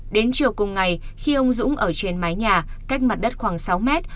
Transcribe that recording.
đến chiều cùng ngày khi ông dũng ở trên mái nhà cách mặt đất khoảng sáu mét